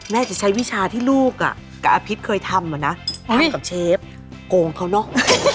จะใช้วิชาที่ลูกกับอภิษเคยทำอะนะทำกับเชฟโกงเขาเนอะ